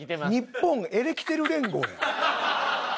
日本エレキテル連合やん。